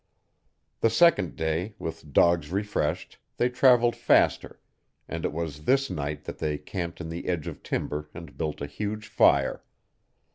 The second day, with dogs refreshed, they traveled faster, and it was this night that they camped in the edge of timber and built a huge fire.